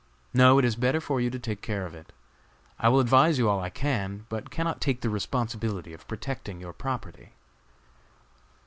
No, it is better for you to take care of it. I will advise you all I can, but cannot take the responsibility of protecting your property."